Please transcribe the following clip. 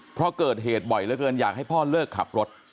เพราะเกิดเหตุบ่อยเหลือเกินอยากให้พ่อเลิกขับรถ